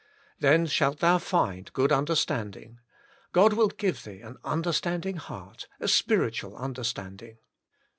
Then shalt thou find good understanding. God will give thee an understand ing heart, a spiritual understanding.